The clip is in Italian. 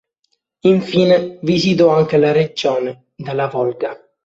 Infine visitò anche la regione della Volga.